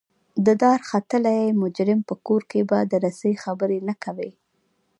د دارختلي مجرم په کور کې به د رسۍ خبرې نه کوئ.